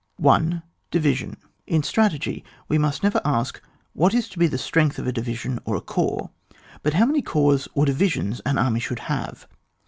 1. — Division, In strategy we must never ask what is to be the strength of « division or a corps, but how many corps or division an army should have.